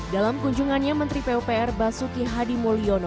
dalam kunjungannya menteri pupr basuki hadi mulyono